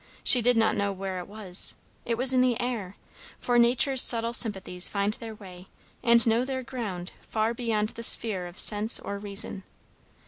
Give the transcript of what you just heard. She did not know where it was; it was in the air; for nature's subtle sympathies find their way and know their ground far beyond the sphere of sense or reason.